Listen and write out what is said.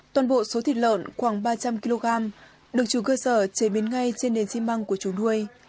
toàn bộ số thịt lợn khoảng ba trăm linh kg được chủ cơ sở chế biến ngay trên nền xi măng của chủ nuôi